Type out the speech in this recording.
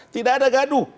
tidak ada gaduh